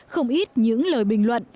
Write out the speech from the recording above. không ít những lời bình luận